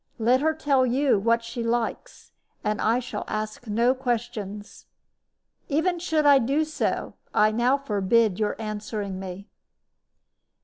Let her tell you what she likes, and I shall ask no questions. Even should I do so, I now forbid your answering me."